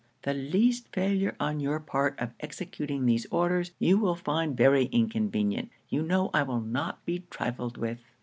The least failure on your part of executing these orders, you will find very inconvenient you know I will not be trifled with.'